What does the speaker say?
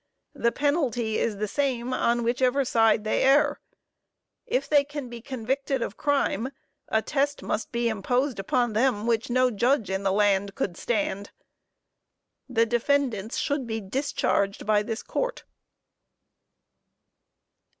The penalty is the same, on which ever side they err. If they can be convicted of crime, a test must be imposed upon them, which no judge in the land could stand. The defendants should be discharged by this Court.